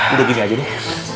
udah gini aja deh